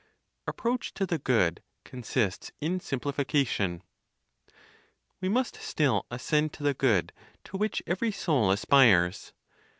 APPROACH TO THE GOOD CONSISTS IN SIMPLIFICATION. We must still ascend to the Good to which every soul aspires.